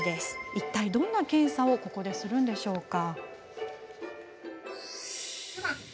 いったいどんな検査をするんでしょうか？